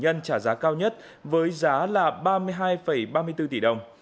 đó là biển số được trả giá cao nhất với giá là ba mươi hai ba mươi bốn tỷ đồng